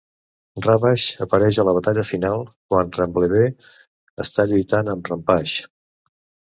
Ravage apareix a la batalla final, quan Bumblebee està lluitant amb Rampage.